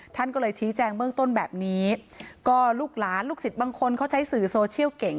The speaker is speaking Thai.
ท่านก็เลยชี้แจงเบื้องต้นแบบนี้ก็ลูกหลานลูกศิษย์บางคนเขาใช้สื่อโซเชียลเก่ง